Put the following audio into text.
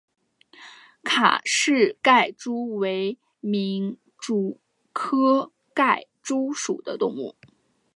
卡氏盖蛛为皿蛛科盖蛛属的动物。